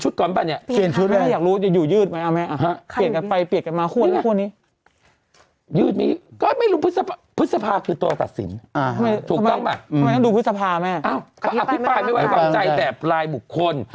ทำไมต้องดูพฤษภาไหมอ้าวก็อภิษภาคมไม่ไหววางใจแต่รายบุคคล